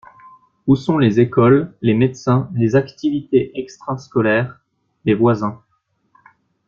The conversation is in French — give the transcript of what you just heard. Où sont les écoles, les médecins, les activités extrascolaires, les voisins?